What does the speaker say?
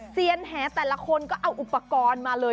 เซียนแหแต่ละคนก็เอาอุปกรณ์มาเลย